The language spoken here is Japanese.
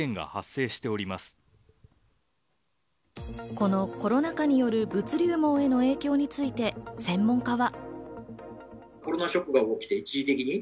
このコロナ禍による物流網への影響について専門家は。